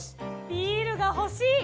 ビールが欲しい！